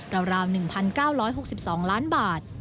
ราว๑๙๖๒ล้านบาท